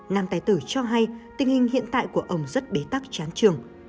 nam tài tử cho hay tình hình hiện tại của ông rất bế tắc chán trường